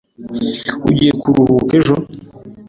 Ugiye kuruhuka ejo?